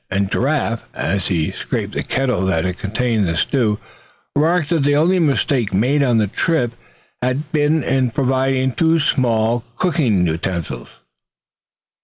And Giraffe, as he scraped the kettle that had contained the stew, remarked that the only mistake made on the trip had been in providing too small cooking utensils.